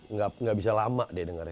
nggak bisa lama dia dengarnya